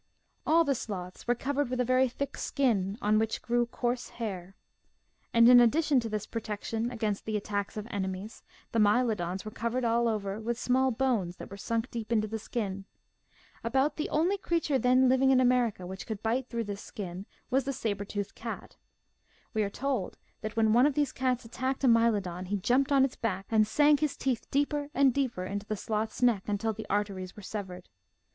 All the sloths were covered with a very thick skin, on which grew coarse hair. And in addition 138 MIGHTY ANIMALS to this protection against the attacks of enemies the Mylodons were covered all over with small bones that were sunk deep into the skin. About the only creature then living in America which could bite through this skin was the saber toothed cat. We are told that when one of these cats attacked a Mylodon, he jumped on its back and sank his teeth deeper and deeper into the sloth's neck until the arteries were severed.